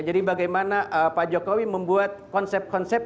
jadi bagaimana pak jokowi membuat konsep konsep